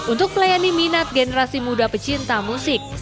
untuk melayani minat generasi muda pecinta musik